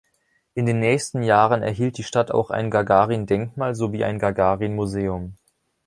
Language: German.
In den nächsten Jahren erhielt die Stadt auch ein Gagarin-Denkmal sowie ein Gagarin-Museum.